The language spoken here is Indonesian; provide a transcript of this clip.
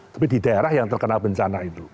tapi di daerah yang terkena bencana itu